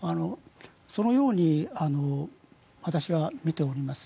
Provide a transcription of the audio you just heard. そのように私は見ております。